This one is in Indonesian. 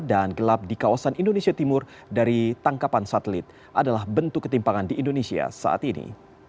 dan gelap di kawasan indonesia timur dari tangkapan satelit adalah bentuk ketimpangan di indonesia saat ini